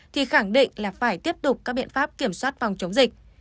thì khẳng định là phải tiếp tục các biện pháp kiểm soát phòng chống dịch